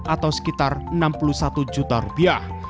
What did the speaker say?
atau sekitar enam puluh satu juta rupiah